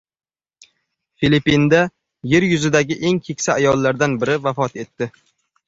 Filippinda Yer yuzidagi eng keksa ayollardan biri vafot etdi